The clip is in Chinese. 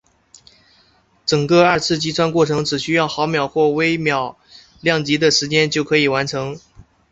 整个二次击穿过程只需要毫秒或微秒量级的时间就可以完成。